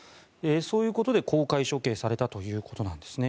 そういうことで公開処刑されたということです。